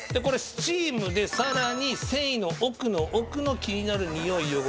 これスチームでさらに繊維の奥の奥の気になるニオイ